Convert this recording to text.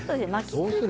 どうする？